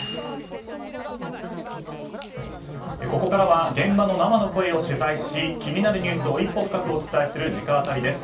ここからは現場の生の声を取材し気になるニュースを一歩深くお伝えする直アタリです。